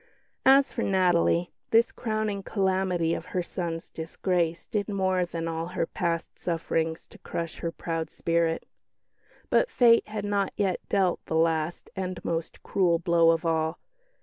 As for Natalie, this crowning calamity of her son's disgrace did more than all her past sufferings to crush her proud spirit. But fate had not yet dealt the last and most cruel blow of all.